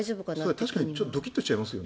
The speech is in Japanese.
確かにちょっとドキッとしちゃいますよね。